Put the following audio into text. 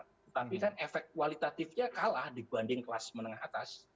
tetapi kan efek kualitatifnya kalah dibanding kelas menengah atas